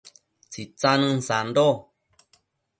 Tsitsanën sando